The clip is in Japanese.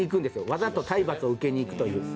わざと体罰を受けに行くという。